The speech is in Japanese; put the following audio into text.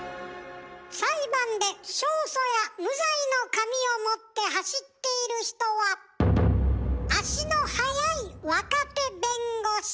裁判で勝訴や無罪の紙を持って走っている人は足の速い若手弁護士！